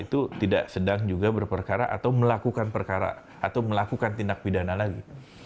itu tidak sedang juga berperkara atau melakukan tindak pidana lagi